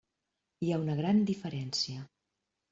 Hi ha una gran diferència.